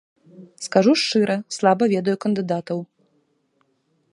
Скажу шчыра, слаба ведаю кандыдатаў.